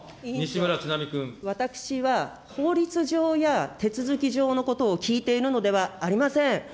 私は法律上や、手続き上のことを聞いているのではありません。